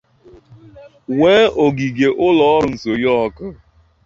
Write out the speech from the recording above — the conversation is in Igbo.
nwee ogige ụlọọrụ nsọnyụ ọkụ